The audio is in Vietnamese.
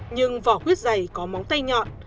nhưng vỏ quyết giày có móng tay nhọn